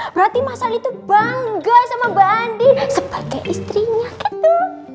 berarti mas al itu bangga sama mbak andin sebagai istrinya gitu